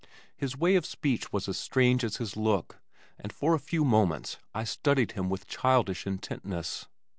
His way of speech was as strange as his look and for a few moments I studied him with childish intentness.